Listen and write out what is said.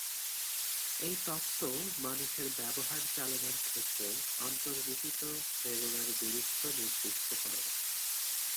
এই তত্ত্ব মানুষের ব্যবহার চালনার ক্ষেত্রে অন্তর্নিহিত প্রেরণার গুরুত্ব নির্দিষ্ট করে।